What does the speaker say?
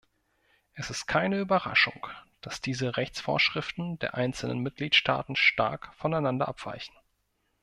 Es ist keine Überraschung, dass diese Rechtsvorschriften der einzelnen Mitgliedstaaten stark voneinander abweichen.